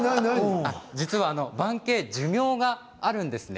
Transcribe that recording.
実は盤景は寿命があるんですね。